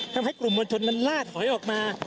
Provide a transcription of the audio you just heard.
ทำให้กลุ่มมวลชนนั้นลาดหอยออกมา